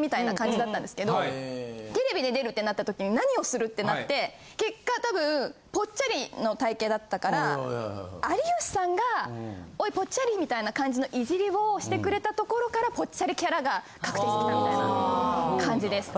みたいな感じだったんですけどテレビで出るってなった時に何をするってなって結果多分ぽっちゃりの体型だったから有吉さんが「おいぽっちゃり」みたいな感じのイジりをしてくれたところからぽっちゃりキャラが確定してきたみたいな感じです。